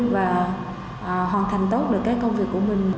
và hoàn thành tốt được cái công việc của mình